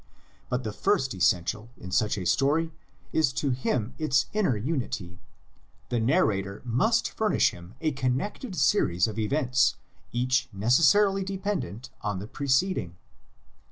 But the first essential in such a story is to him its inner unity; the narrator must furnish him a connected series of events each necessarily dependent on the preceding.